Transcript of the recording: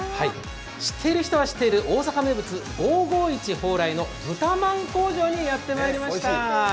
知っている人は知っている大阪名物、５５１蓬莱の豚まん工場にやってまいりました。